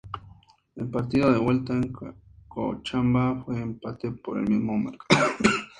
El partido de vuelta en Cochabamba fue empate por el mismo marcador.